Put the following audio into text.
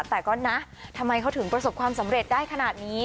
แต่ก็นะทำไมเขาถึงประสบความสำเร็จได้ขนาดนี้